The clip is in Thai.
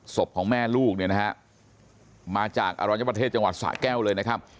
ศพของแม่ลูกเนี่ยนะฮะมาจากอรัญญประเทศจังหวัดสะแก้วเลยนะครับ